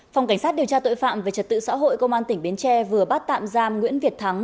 phòng cảnh sát điều tra tội phạm về trật tự xã hội công an tỉnh bến tre vừa bắt tạm giam nguyễn việt thắng